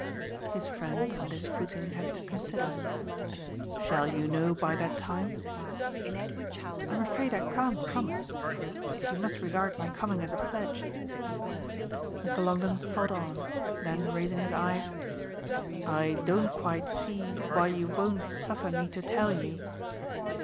His friend, on this footing, had to consider. "Shall you know by that time?" "I'm afraid I can't promise if you must regard my coming as a pledge." Mr. Longdon thought on; then raising his eyes: "I don't quite see why you won't suffer me to tell you